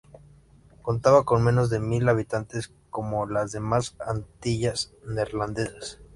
Contaba con menos de mil habitantes, como las demás Antillas Neerlandesas.